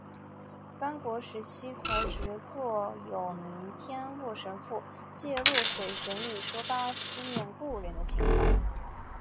三国时期曹植作有名篇洛神赋借洛水神女抒发思念故人的情怀。